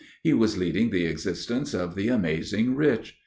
He was leading the existence of the amazing rich.